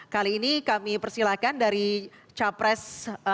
kali ini kami persilahkan dari capres